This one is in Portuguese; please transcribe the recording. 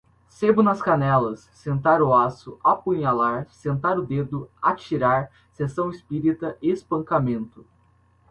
sebo nas canelas, sentar o aço, apunhalar, sentar o dedo, atirar, sessão espírita, espancamento